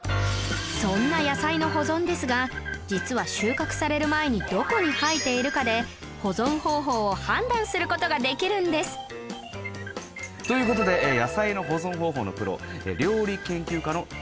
そんな野菜の保存ですが実は収穫される前にどこに生えているかで保存方法を判断する事ができるんですという事で野菜の保存方法のプロ料理研究家の島本美由紀さん